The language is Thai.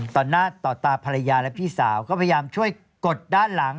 ต่อหน้าต่อตาภรรยาและพี่สาวก็พยายามช่วยกดด้านหลัง